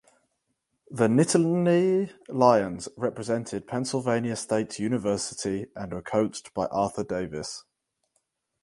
The Nittany Lions represented Pennsylvania State University and were coached by Arthur Davis.